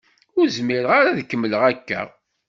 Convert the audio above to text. Ur zmireɣ ad kemmleɣ akka.